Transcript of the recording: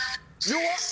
弱っ！